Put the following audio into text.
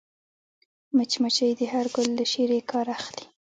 مچمچۍ د هر ګل له شيرې کار اخلي